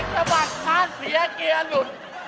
แสภาคคานเสียเกลียรุด